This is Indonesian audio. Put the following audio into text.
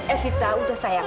evita udah sayang